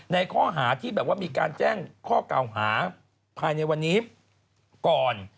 ในข้อหาที่แบบว่ามีการแจ้งข้อเก่าหาภายในวันนี้ก่อน